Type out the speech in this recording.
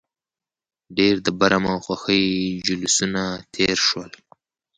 ډېر د برم او خوښۍ جلوسونه تېر شول.